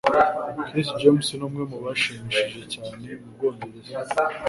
Chris James numwe mubashimishije cyane mubwongereza.